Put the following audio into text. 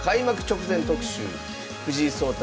藤井聡太